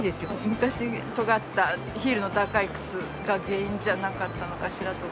昔とがったヒールの高い靴が原因じゃなかったのかしらと思います。